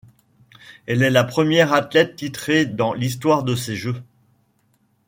Elle est la première athlète titrée dans l'histoire de ces jeux.